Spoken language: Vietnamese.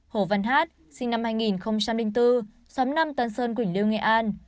hồ văn hát sinh năm hai nghìn bốn xóm năm tân sơn quỳnh liêu nghệ an